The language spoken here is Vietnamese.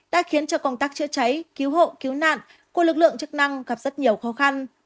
đã khiến cho công tác chữa cháy cứu hộ cứu nạn của lực lượng chức năng gặp rất nhiều khó khăn